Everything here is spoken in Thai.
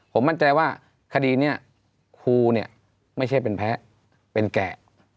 ผมมั่นใจว่าคดีนี้ครูเนี่ยไม่ใช่เป็นแพ้เป็นแก่